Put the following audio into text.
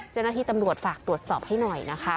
เจ้าหน้าที่ตำรวจฝากตรวจสอบให้หน่อยนะคะ